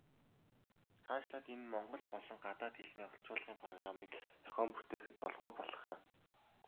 Цаашлаад энэ нь монгол болон гадаад хэлний орчуулгын программыг зохион бүтээхэд тулгуур болох юм.